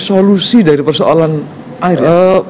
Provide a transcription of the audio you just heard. solusi dari persoalan air